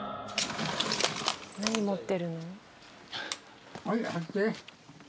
何持ってるの？